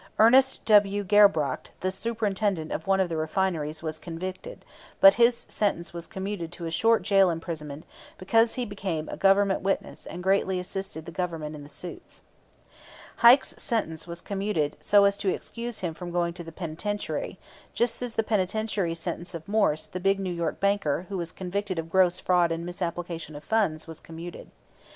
Ernest W. Gerbracht, the superintendent of one of the refineries, was convicted, but his sentence was commuted to a short jail imprisonment, because he became a Government witness and greatly assisted the Government in the suits. Heike's sentence was commuted so as to excuse him from going to the penitentiary; just as the penitentiary sentence of Morse, the big New York banker, who was convicted of gross fraud and misapplication of funds, was commuted.